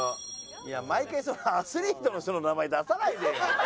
いや毎回そのアスリートの人の名前出さないでよ。